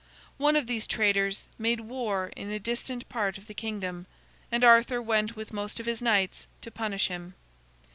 One of these traitors made war in a distant part of the kingdom, and Arthur went with most of his knights to punish him.